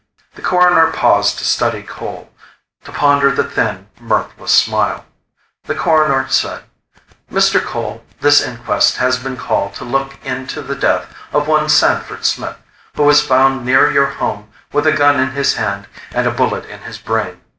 The Coroner paused to study Cole; to ponder the thin, mirthless smile. The Coroner said, "Mr. Cole, this inquest has been called to look into the death of one Sanford Smith, who was found near your home with a gun in his hand and a bullet in his brain.